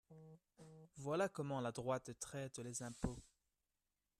Voilà comment la droite traite les impôts